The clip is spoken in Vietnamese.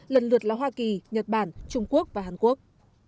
lần lượt là hoa kỳ nhật bản trung quốc và hàn quốc